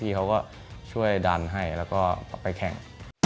เขาก็ช่วยดันให้แล้วก็ไปแข่ง